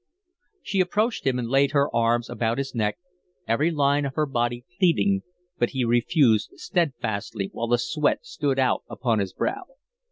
She approached him and laid her arms about his neck, every line of her body pleading, but he refused steadfastly, while the sweat stood out upon his brow.